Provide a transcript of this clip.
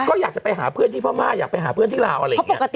ก็อยากจะไปหาเพื่อนที่พม่าอยากไปหาเพื่อนที่ลาวอะไรอย่างนี้